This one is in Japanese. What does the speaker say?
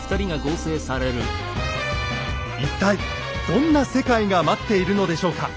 一体どんな世界が待っているのでしょうか？